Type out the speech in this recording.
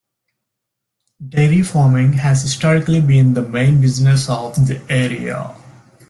Dairy farming has historically been the main business of the area.